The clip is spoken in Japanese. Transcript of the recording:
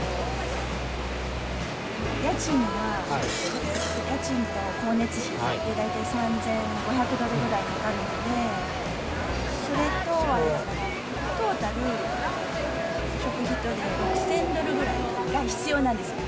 家賃が、家賃と光熱費で大体３５００ドルぐらいになるので、それと、トータル食費とで６０００ドルぐらいが必要なんですよ。